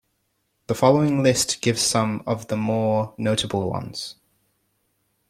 The following list gives some of the more notable ones.